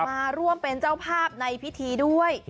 มาร่วมเป็นเจ้าภาพในพิธีด้วย